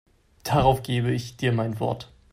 Darauf gebe ich dir mein Wort.